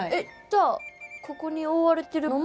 じゃあここに覆われているのも？